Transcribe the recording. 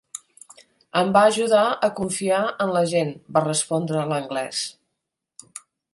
"Em va ajudar a confiar en la gent", va respondre l'anglès.